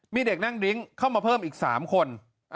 มีเด็กนั่งดริ้งเข้ามาเพิ่มอีก๓คน